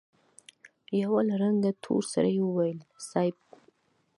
يوه له رنګه تور سړي وويل: صېب!